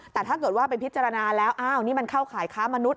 แต่ถ้าเกิดว่าไปพิจารณาแล้วอ้าวนี่มันเข้าขายค้ามนุษย